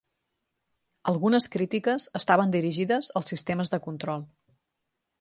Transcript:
Algunes crítiques estaven dirigides als sistemes de control.